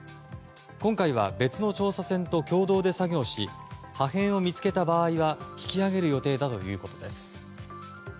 今回は別の調査船と共同で作業し破片を見つけた場合は引き揚げる予定だということです。